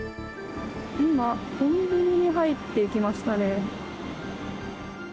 今、コンビニに入っていきましたね。